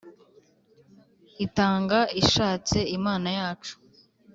Itanga ishatse Imana yacu